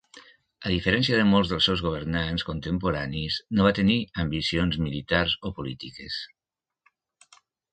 A diferència de molts dels seus governants contemporanis, no va tenir ambicions militars o polítiques.